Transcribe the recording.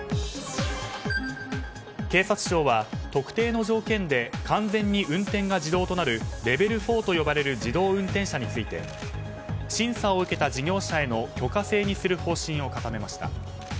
警察庁は特定の条件で完全に運転が自動となるレベル４と呼ばれる自動運転車について審査を受けた事業者への許可制にする方針を固めました。